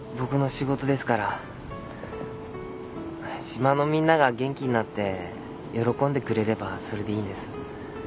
島のみんなが元気になって喜んでくれればそれでいいんです。